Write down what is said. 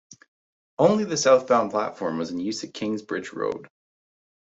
Only the southbound platform was in use at Kingsbridge Road.